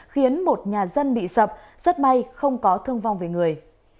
khiến một nhà dân bị sập rất may không có thương vong về người